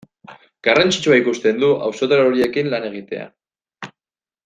Garrantzitsua ikusten du auzotar horiekin lan egitea.